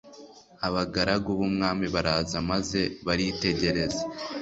abagaragu b'umwami baraza maze baritegereza